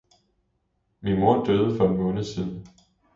Min mor døde for en måned siden.